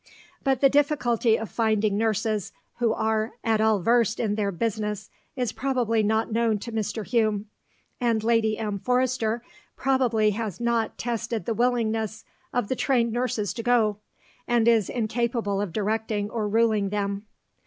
But the difficulty of finding nurses who are at all versed in their business is probably not known to Mr. Hume, and Lady M. Forester probably has not tested the willingness of the trained nurses to go, and is incapable of directing or ruling them.